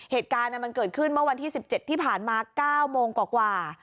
เหตุการณ์มันเกิดขึ้นเมื่อวันที่๑๗ที่ผ่านมา๙โมงกว่า